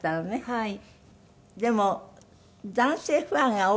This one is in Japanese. はい。